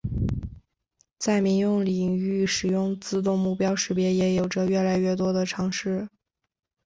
在民用领域使用自动目标识别也有着越来越多的尝试。